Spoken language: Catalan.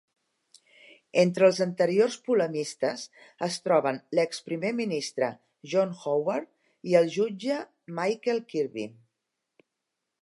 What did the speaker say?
Entre els anteriors polemistes es troben l'ex-primer ministre John Howard i el jutge Michael Kirby.